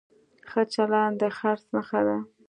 ښه چلند د خرڅ نښه ده.